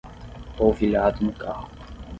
Polvilhado no carro